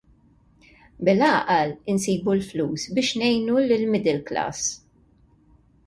Bil-għaqal insibu l-flus biex ngħinu lill-middle class!